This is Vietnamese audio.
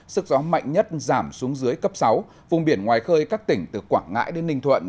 sức gió mạnh nhất giảm xuống dưới cấp sáu vùng biển ngoài khơi các tỉnh từ quảng ngãi đến ninh thuận